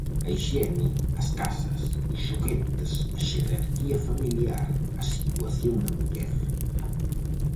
A hixiene, as casas, os xoguetes, a xerarquía familiar, a situación da muller...